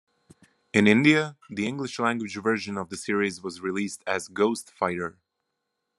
In India the English-language version of the series was released as "Ghost Fighter".